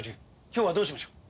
今日はどうしましょう？